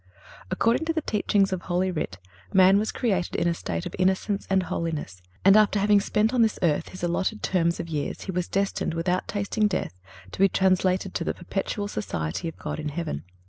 According to the teachings of Holy Writ, man was created in a state of innocence and holiness, and after having spent on this earth his allotted terms of years he was destined, without tasting death, to be translated to the perpetual society of God in heaven.